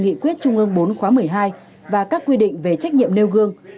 nghị quyết trung ương bốn khóa một mươi hai và các quy định về trách nhiệm nêu gương